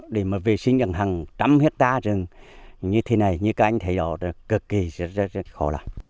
để mà vệ sinh rằng hàng trăm hectare rừng như thế này như các anh thấy đó là cực kỳ rất khó làm